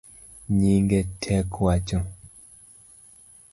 Nyinge tek wacho